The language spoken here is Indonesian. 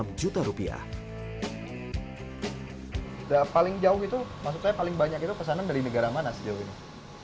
paling jauh itu maksud saya paling banyak itu pesanan dari negara mana sejauh ini